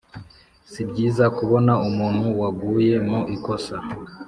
si byiza kubona umuntu waguye mu ikosa